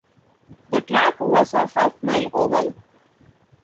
The track was a half-mile oval.